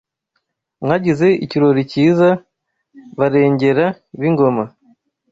Mwagize ikirori cyiza Barengera b’ingoma